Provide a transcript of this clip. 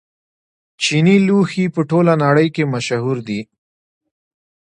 چیني لوښي په ټوله نړۍ کې مشهور دي.